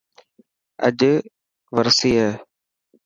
اڄ ورسي هي.